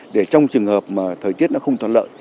để trong trường hợp thời tiết không thoát lợi